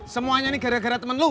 semuanya ini gara gara temen lu